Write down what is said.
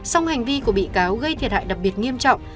song hành vi của bị cáo gây thiệt hại đặc biệt nghiêm trọng